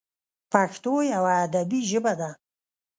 پښتو یوه ادبي ژبه ده.